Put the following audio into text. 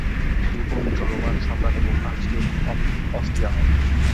তিনি পবিত্র রোমান সম্রাট এবং আর্চডিউক অফ অস্ট্রিয়া হন।